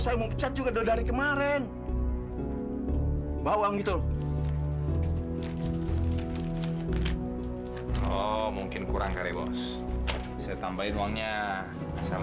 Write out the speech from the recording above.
mau kecap juga dari kemarin bawang itu mungkin kurang karyobos saya tambahin uangnya sel sel